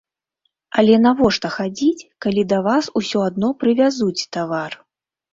Але навошта хадзіць, калі да вас усё адно прывязуць тавар?